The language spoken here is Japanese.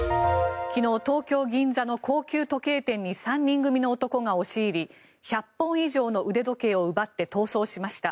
昨日、東京・銀座の高級時計店に３人組の男が押し入り１００本以上の腕時計を奪って逃走しました。